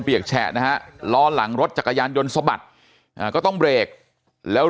เฉะนะฮะล้อหลังรถจักรยานยนต์สะบัดก็ต้องเบรกแล้ว